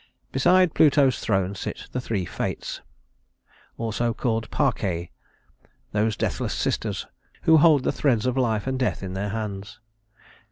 Beside Pluto's throne sit the three Fates (also called Parcæ), those deathless sisters who hold the threads of life and death in their hands.